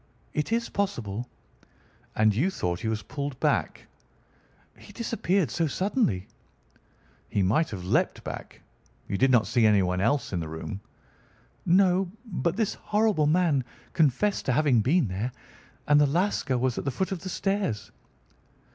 "It is possible." "And you thought he was pulled back?" "He disappeared so suddenly." "He might have leaped back. You did not see anyone else in the room?" "No, but this horrible man confessed to having been there, and the Lascar was at the foot of the stairs."